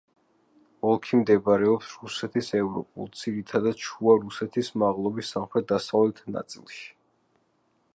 ოლქი მდებარეობს რუსეთის ევროპულ, ძირითადად შუა რუსეთის მაღლობის სამხრეთ-დასავლეთ ნაწილში.